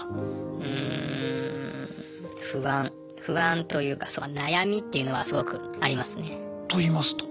うん不安不安というか悩みっていうのはすごくありますね。といいますと？